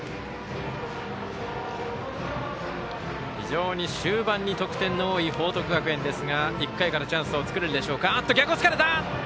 非常に終盤に得点の多い報徳学園ですが１回からチャンスを作れるでしょうか。